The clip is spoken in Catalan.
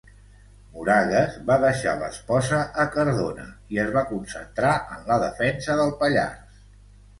Moragues va deixar l'esposa a Cardona i es va concentrar en la defensa del Pallars.